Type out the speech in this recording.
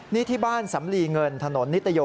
นิติบ้านสำลีเงินถนนนิตยโย